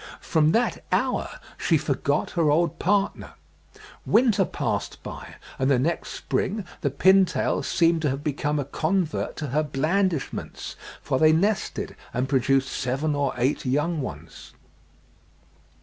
From that hour she forgot her old partner. Winter passed by, and the next spring the pintail seemed to have become a convert to her blandishments, for they nested and produced seven or eight young ones."